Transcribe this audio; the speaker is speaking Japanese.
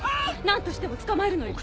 何としても捕まえるのよ。